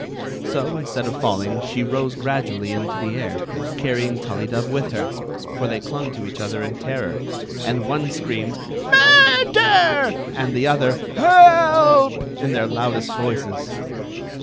So, instead of falling, ^e rose gradually into the . air, carrying Tullydub with her; for they clung to each other in terror, and one screamed "Murder!" and the other " Help!" in their loudest voices.